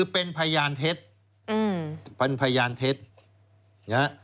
พันภาญานเท็จ